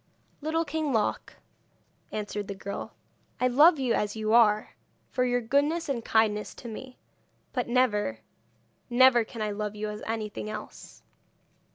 'Little King Loc,' answered the girl, 'I love you as you are, for your goodness and kindness to me; but never, never can I love you as anything else.'